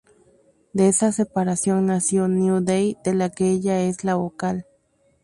De esa separación nació New Day, de la que ella es la vocal.